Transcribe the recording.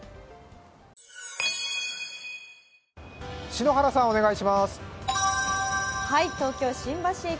篠原さん、お願いします。